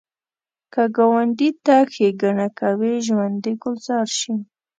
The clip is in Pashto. که ګاونډي ته ښیګڼه کوې، ژوند دې ګلزار شي